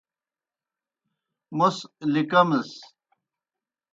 موْس لِکَمِس۔